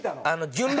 純烈？